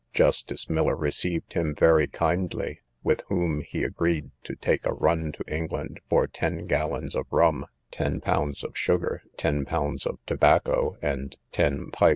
Justice Miller received him very kindly, with whom he agreed to take a run to England for ten gallons of rum, ten pounds of sugar, ten pounds of tobacco, and ten pipes.